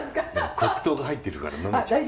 黒糖が入ってるから呑めちゃう。